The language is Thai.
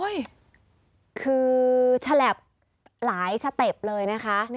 คือฉลับหลายสเต็ปเลยนะคะ